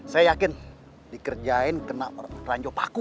saya yakin dikerjain kena ranjopaku